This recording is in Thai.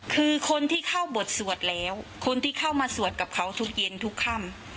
คือคนที่เข้าบทสวดแล้วคนที่เข้ามาสวดกับเขาทุกเย็นทุกค่ำ